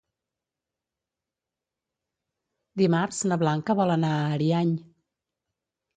Dimarts na Blanca vol anar a Ariany.